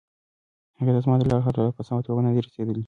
هغې ته زما د زړه حال لا په سمه توګه نه دی رسیدلی.